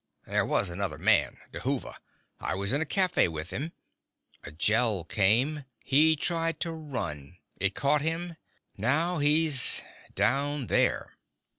There was another man: Dhuva. I was in a cafe with him. A Gel came. He tried to run. It caught him. Now he's ... down there."